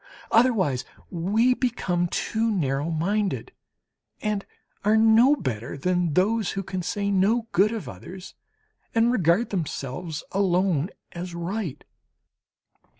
Otherwise we become too narrow minded and are no better than those who can say no good of others and regard themselves alone as right.